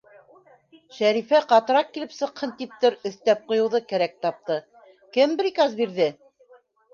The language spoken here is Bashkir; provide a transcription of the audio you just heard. Шәрифә ҡатыраҡ килеп сыҡһын типтер өҫтәп ҡуйыуҙы кәрәк тапты:— Кем бриказ бирҙе?